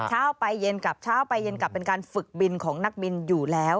เช้าไปเย็นกลับเช้าไปเย็นกลับเป็นการฝึกบินของนักบินอยู่แล้ว